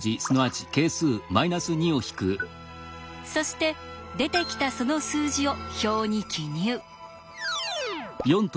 そして出てきたその数字を表に記入。